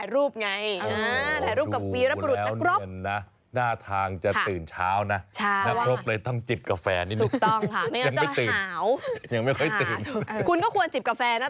ยังไม่ค่อยตื่นคุณก็ควรจิบกาแฟนะตอนนี้